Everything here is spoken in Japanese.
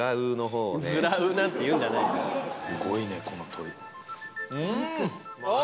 すごいねこの鳥。